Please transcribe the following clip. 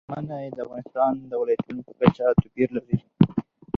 منی د افغانستان د ولایاتو په کچه توپیر لري.